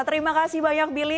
terima kasih banyak bili